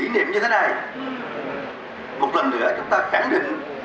tiến lệnh của người xã hội